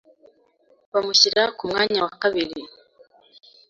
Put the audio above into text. bamushyira ku mwanya wa kabiri